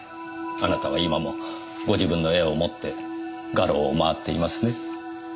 あなたは今もご自分の絵を持って画廊を回っていますね。